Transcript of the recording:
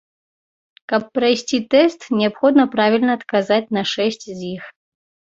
Каб прайсці тэст, неабходна правільна адказаць на шэсць з іх.